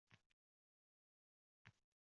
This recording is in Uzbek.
– Masalan? – deb uning og‘ziga tikildi tog‘am